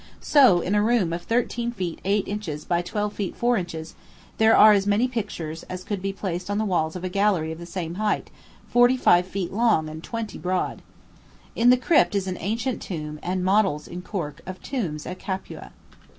So, in a room of thirteen feet eight inches by twelve feet four inches, there are as many pictures as could be placed on the walls of a gallery of the same height, forty five feet long and twenty broad. In the crypt is an ancient tomb, and models, in cork, of tombs, at Capua.